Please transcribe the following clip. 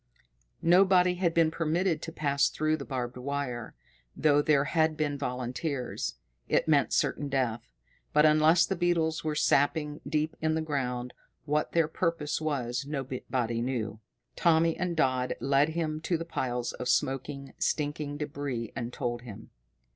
Nobody had been permitted to pass through the barbed wire, though there had been volunteers. It meant certain death. But, unless the beetles were sapping deep in the ground, what their purpose was, nobody knew. Tommy and Dodd led him to the piles of smoking, stinking débris and told him.